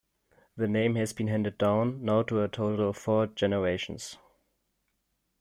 The name has been handed down, now to a total of four generations.